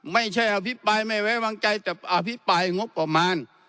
ไม่ใช่อภิปรายไม่ไว้วางใจแต่อภิปรายงบประมาณ